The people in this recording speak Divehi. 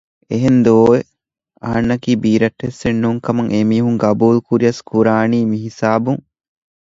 އެހެންދޯ އެވެ! އަހަންނަކީ ބީރައްޓެއްސެން ނޫން ކަމަށް އެމީހުން ގަބޫލުކުރިޔަސް ކުރާނީ މިހިސާބުން